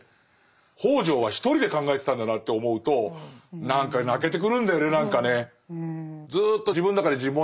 北條は一人で考えてたんだなって思うと何か泣けてくるんだよね何かね。